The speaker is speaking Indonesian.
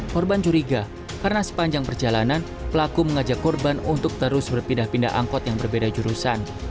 korban curiga karena sepanjang perjalanan pelaku mengajak korban untuk terus berpindah pindah angkot yang berbeda jurusan